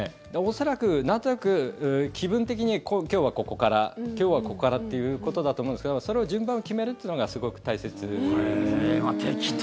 恐らくなんとなく気分的に今日はここから、今日はここからということだと思うんですけどそれを順番を決めるというのがすごく大切ですね。